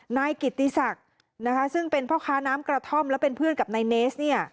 นายกิติศักดิ์นะคะซึ่งเป็นพ่อค้าน้ำกระท่อมและเป็นเพื่อนกับนายเนสเนี่ย